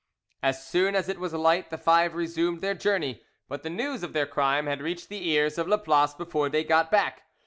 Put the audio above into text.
As soon as it was light, the five resumed their journey. But the news of their crime had reached the ears of Laplace before they got back.